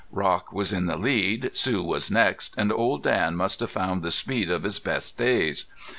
Rock was in the lead. Sue was next. And Old Dan must have found the speed of his best days.